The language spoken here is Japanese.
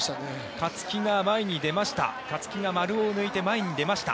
勝木が前に出ました。